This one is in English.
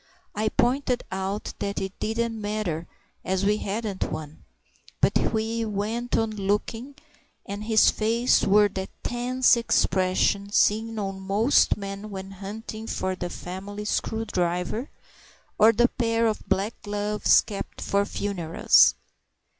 I pointed out that it didn't matter as we hadn't one; but he went on looking, and his face wore that tense expression seen on most men when hunting for the family screwdriver, or the pair of black gloves kept for funerals.